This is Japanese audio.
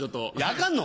あかんの？